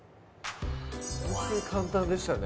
ほんとに簡単でしたね